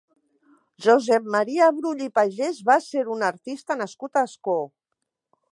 Josep Maria Brull i Pagès va ser un artista nascut a Ascó.